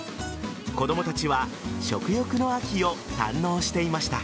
子供たちは食欲の秋を堪能していました。